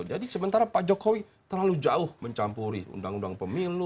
jadi sementara pak jokowi terlalu jauh mencampuri undang undang pemilu